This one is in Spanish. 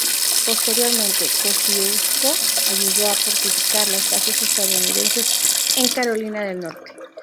Posteriormente, Kościuszko ayudó con fortificar las bases estadounidenses en Carolina del Norte.